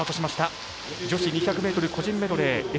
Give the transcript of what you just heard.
女子２００ｍ個人メドレーＳＭ１４